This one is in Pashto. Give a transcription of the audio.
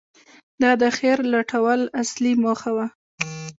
• دا د خیر لټول اصلي موخه وه.